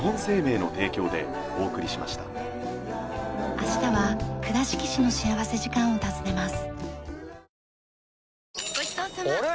明日は倉敷市の幸福時間を訪ねます。